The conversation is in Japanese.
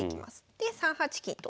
で３八金と。